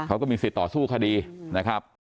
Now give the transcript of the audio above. เขาก็มีสิทธิ์ต่อสู้คดีนะครับ